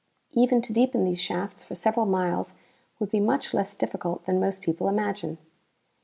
Even to deepen these shafts for several miles would be much less difficult than most people imagine.